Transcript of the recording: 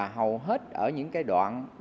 hầu hết ở những đoạn